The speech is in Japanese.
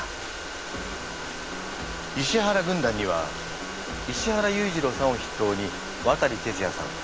石原軍団には石原裕次郎さんを筆頭に渡哲也さん